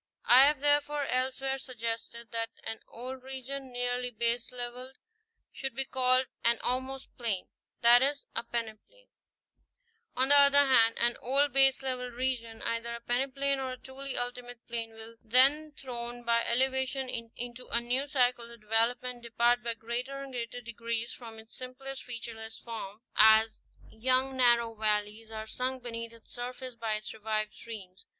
Ihave therefore elsewhere suggested* that an old region, nearly baselevelled, should be called an almost plain ; that is, a peneplain. On the other hand, an old baselevelled region, either a pene plain or a truly ultimate plain, will, when thrown by elevation into a new cycle of development, depart by greater and greater degrees from its simple featureless form, as young narrow valleys * Amer. Jour. Sci., xxxvii, 1889, 430. Ltwers of Northern New Jersey. 89 are sunk beneath its surface by its revived streams.